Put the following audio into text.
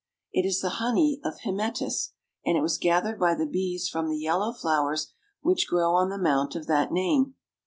It is the honey of Hymettus, and it was gathered by the bees from the yellow flowers which grow on the mount of that name.